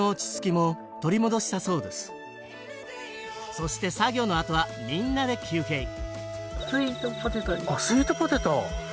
そして作業のあとはみんなで休憩スイートポテトですあっ